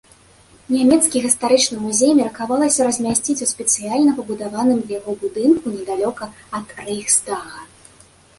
Нямецкі гістарычны музей меркавалася размясціць у спецыяльна пабудаваным для яго будынку недалёка ад рэйхстага.